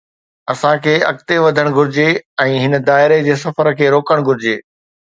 اسان کي اڳتي وڌڻ گهرجي ۽ هن دائري جي سفر کي روڪڻ گهرجي.